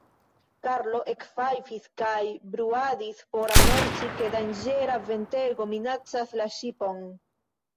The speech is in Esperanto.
Karlo ekfajfis kaj bruadis por anonci, ke danĝera ventego minacas la ŝipon.